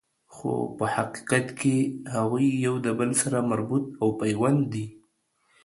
خو په حقیقت کی هغوی یو د بل سره مربوط او پیوند دي